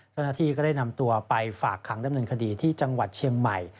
เจ้าหน้าที่ก็ได้นำตัวไปฝากขังดำเนินคดีที่จังหวัดเชียงใหม่